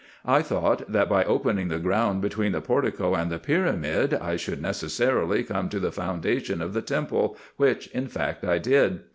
I thought, that by opening the ground between the portico and the pyramid I should necessarily come to the foundation of the temple, which in fact I did.